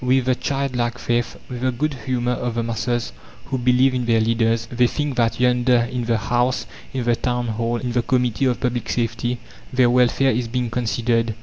With the childlike faith, with the good humour of the masses who believe in their leaders, they think that "yonder," in the House, in the Town Hall, in the Committee of Public Safety, their welfare is being considered.